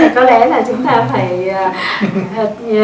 có lẽ là chúng ta phải